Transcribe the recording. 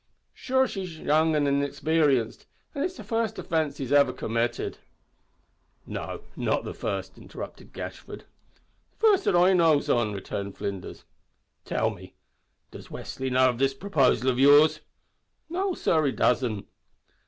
Sure he's young and inexparienced, an' it's the first offince he's iver committed " "No, not the first" interrupted Gashford. "The first that I knows on," returned Flinders. "Tell me does Westly know of this proposal of yours?" "No sor, he doesn't."